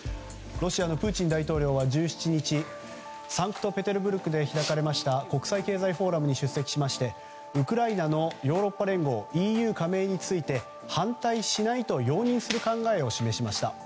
ロシアのプーチン大統領は１７日サンクトペテルブルクで開かれました国際経済フォーラムに出席してウクライナのヨーロッパ連合・ＥＵ加盟について反対しないと容認する考えを示しました。